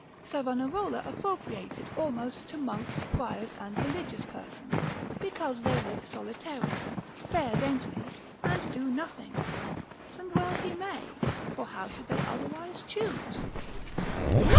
Savanarola appropriates it almost to monks, friars, and religious persons, because they live solitarily, fair daintily, and do nothing: and well he may, for how should they otherwise choose?